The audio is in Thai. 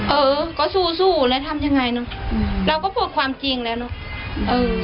เออก็สู้สู้แล้วทำยังไงเนอะเราก็พูดความจริงแล้วเนอะเออ